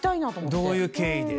どういう経緯でとかね。